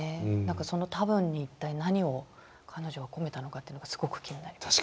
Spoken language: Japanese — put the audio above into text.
その「たぶん」に一体何を彼女は込めたのかっていうのがすごく気になります。